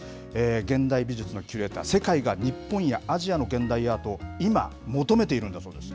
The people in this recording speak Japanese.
現代美術のキュレーター、世界が日本やアジアの現代アートを今、求めているんだそうです。